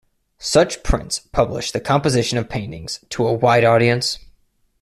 Such prints published the composition of paintings to a wide audience.